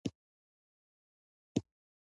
تاریخ د ځانګړو پېښو يادښت دی.